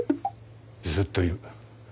ずっといる。